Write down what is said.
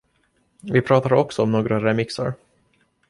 Vi pratar också om några remixar.